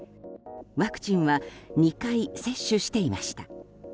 ワクチンは２回接種していました。